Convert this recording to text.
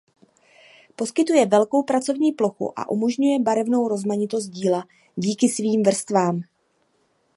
Poskytuje velkou pracovní plochu a umožňuje barevnou rozmanitost díla díky svým vrstvám.